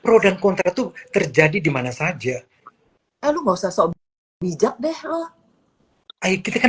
pro dan kontra itu terjadi dimana saja eh lu nggak usah sok bijak deh loh kita kan